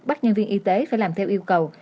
bắt nhân viên y tế phải làm theo yêu cầu